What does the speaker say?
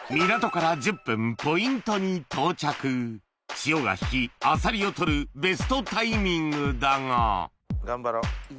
潮が引きあさりを取るベストタイミングだが頑張ろう。